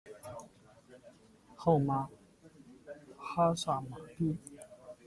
号玛哈萨嘛谛。